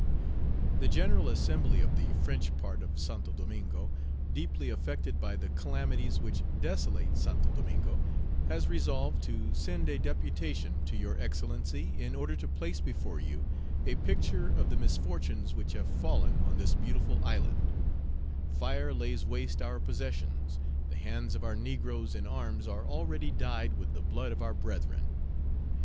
"The General Assembly of the French part of St. Domingo, deeply affected by the calamities which desolate Saint Domingo, has resolved to send a deputation to your excellency, in order to place before you a picture of the misfortunes which have fallen on this beautiful island; fire lays waste our possessions, the hands of our negroes in arms are already dyed with the blood of our brethren.